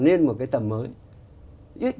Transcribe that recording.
nên một cái tầm mới